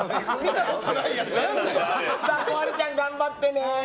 こはるちゃん、頑張ってね！